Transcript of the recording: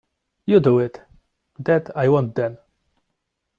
You do it!—That I won’t, then!